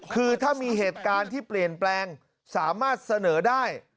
คือถ้ามีเหตุการณ์ที่เปลี่ยนแปลงสามารถเสนอได้